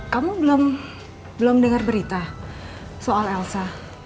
kamu belum dengar berita soal elsa